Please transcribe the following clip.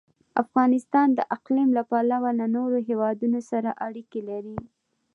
افغانستان د اقلیم له پلوه له نورو هېوادونو سره اړیکې لري.